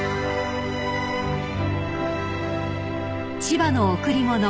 ［『千葉の贈り物』］